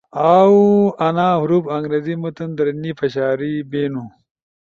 اؤ انا حرف انگریزی متن در نی پشاری بینو۔